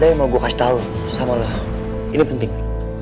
dan mau gue kasih tau sama lo ini penting